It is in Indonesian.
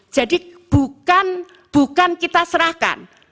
jadi bukan kita serahkan